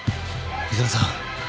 井沢さん。